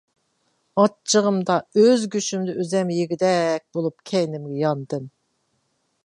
ئاچچىقىمدا ئۆز گۆشۈمنى ئۆزۈم يېگۈدەك بولۇپ، كەينىمگە ياندىم.